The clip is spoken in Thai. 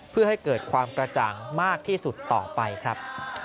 เพื่อให้เกิดความกระจ่างมากที่สุดต่อไปครับ